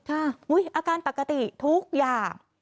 อาการปกติทุกอย่าง